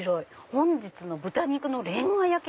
「本日の豚肉のレンガ焼き」。